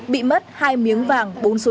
bị mất hai miếng vàng bốn số chín